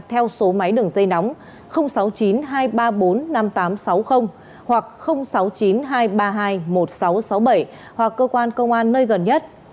theo số máy đường dây nóng sáu mươi chín hai trăm ba mươi bốn năm nghìn tám trăm sáu mươi hoặc sáu mươi chín hai trăm ba mươi hai một nghìn sáu trăm sáu mươi bảy hoặc cơ quan công an nơi gần nhất